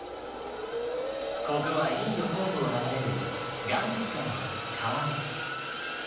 ここはインド東部を流れるガンジス川の川辺。